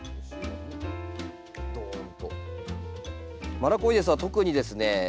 マラコイデスは特にですね